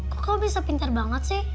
kok kamu bisa pintar banget sih